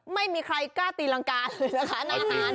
ไม่มีใครกล้าตีรังกาเลยนะคะอาหาร